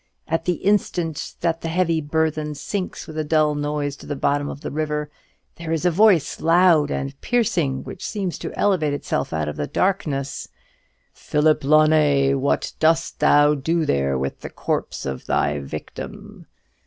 At the instant that the heavy burthen sinks with a dull noise to the bottom of the river, there is a voice, loud and piercing, which seems to elevate itself out of the darkness: 'Philip Launay, what dost thou do there with the corpse of thy victim?'